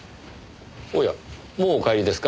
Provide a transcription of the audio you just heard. おやもうお帰りですか？